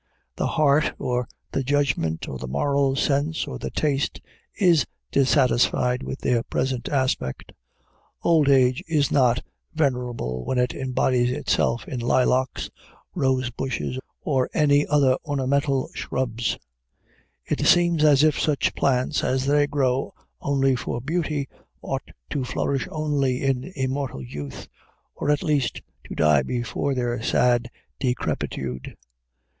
The heart or the judgment or the moral sense or the taste is dissatisfied with their present aspect. Old age is not venerable when it embodies itself in lilacs, rose bushes, or any other ornamental shrubs; it seems as if such plants, as they grow only for beauty, ought to flourish only in immortal youth or, at least, to die before their sad decrepitude.